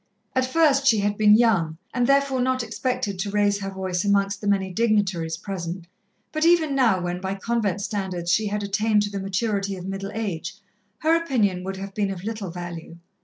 At first she had been young, and therefore not expected to raise her voice amongst the many dignitaries present, but even now, when by convent standards she had attained to the maturity of middle age, her opinion would have been of little value.